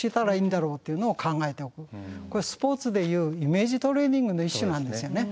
これスポーツで言うイメージトレーニングの一種なんですよね。